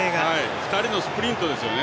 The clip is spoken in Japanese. ２人のスプリントですよね。